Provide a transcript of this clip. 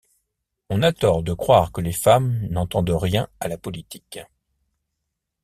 On a tort de croire que les femmes n’entendent rien à la politique...